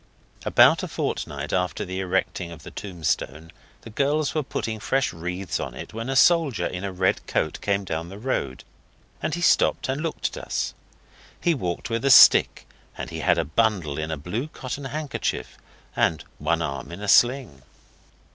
About a fortnight after the erecting of the tombstone the girls were putting fresh wreaths on it when a soldier in a red coat came down the road, and he stopped and looked at us. He walked with a stick, and he had a bundle in a blue cotton handkerchief, and one arm in a sling.